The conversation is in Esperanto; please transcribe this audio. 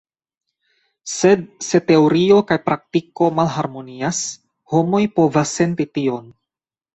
Sed se teorio kaj praktiko malharmonias, homoj povas senti tion.